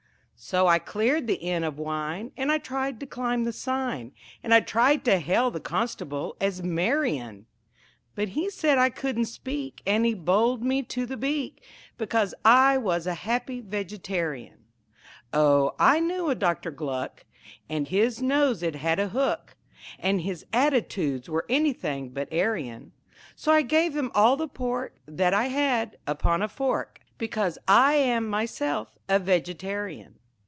So I cleared the inn of wine, And I tried to climb the sign, And I tried to hail the constable as "Marion." But he said I couldn't speak, And he bowled me to the Beak Because I was a Happy Vegetarian. Oh, I knew a Doctor Gluck, And his nose it had a hook, And his attitudes were anything but Aryan; So I gave him all the pork That I had, upon a fork; Because I am myself a Vegetarian.